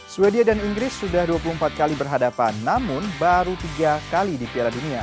sweden dan inggris sudah dua puluh empat kali berhadapan namun baru tiga kali di piala dunia